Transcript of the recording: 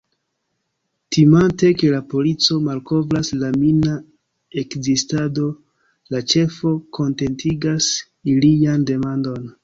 Timante ke la polico malkovras la mina ekzistado, la ĉefo kontentigas ilian demandon.